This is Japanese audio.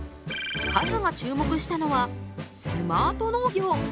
ＫＡＺＵが注目したのは「スマート農業」。